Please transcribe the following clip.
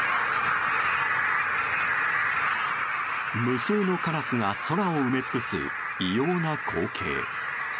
無数のカラスが空を埋め尽くす異様な光景。